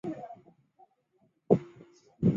可通过候车室前往反方向月台。